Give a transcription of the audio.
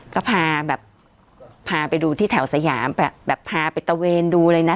ก็พาแบบพาไปดูที่แถวสยามแบบพาไปตะเวนดูเลยนะ